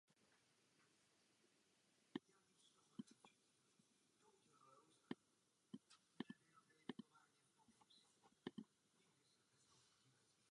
Evropská společnost se proto musí stát znalostní společností.